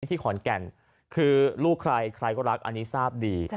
ที่ขอนแก่นคือลูกใครใครก็รักอันนี้ทราบดี